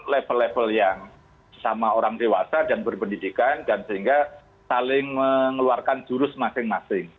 level level yang sama orang dewasa dan berpendidikan dan sehingga saling mengeluarkan jurus masing masing